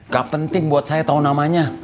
gak penting buat saya taunya